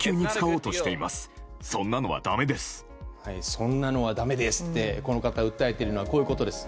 そんなのはだめですってこの方が訴えているのはこういうことです。